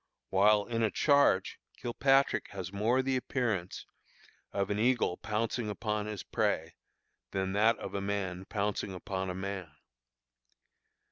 While in a charge, Kilpatrick has more the appearance of an eagle pouncing upon his prey, than that of a man pouncing upon a man.